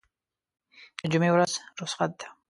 دجمعې ورځ رخصت ده